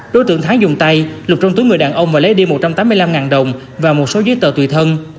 đối tượng thắng dùng tay lục trong túi người đàn ông và lấy đi một trăm tám mươi năm đồng và một số giấy tờ tùy thân